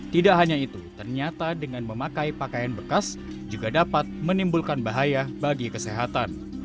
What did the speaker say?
tidak hanya itu ternyata dengan memakai pakaian bekas juga dapat menimbulkan bahaya bagi kesehatan